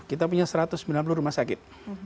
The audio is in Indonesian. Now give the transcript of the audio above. kita punya satu ratus sembilan puluh rumah sakit